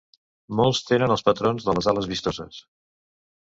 Molts tenen els patrons de les ales vistoses.